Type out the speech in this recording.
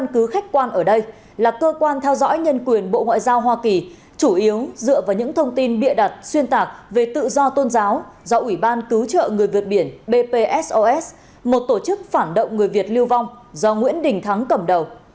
cơ quan theo dõi nhân quyền bộ ngoại giao hoa kỳ chủ yếu dựa vào những thông tin bịa đặt xuyên tạc về tự do tôn giáo do ủy ban cứu trợ người việt biển bpsos một tổ chức phản động người việt lưu vong do nguyễn đình thắng cầm đầu